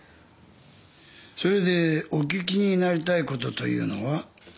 それでお聞きになりたいことというのは？